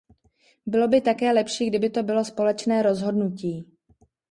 Bylo by také lepší, kdyby to bylo společné rozhodnutí.